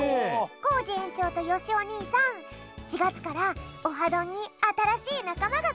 コージえんちょうとよしおにいさん４がつから「オハどん」にあたらしいなかまがくるんだよね。